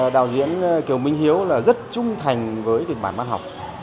đạo diễn kiều minh hiếu là rất trung thành với kịch bản văn học